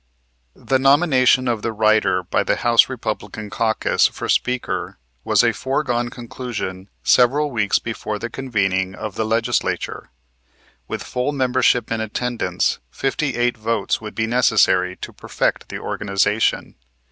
The nomination of the writer by the House Republican caucus for Speaker was a foregone conclusion several weeks before the convening of the Legislature. With a full membership in attendance fifty eight votes would be necessary to perfect the organization.